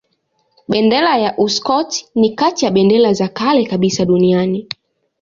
Bendera ya Uskoti ni kati ya bendera za kale kabisa duniani.